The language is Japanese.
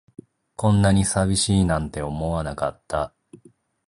こんなに寂しいなんて思わなかった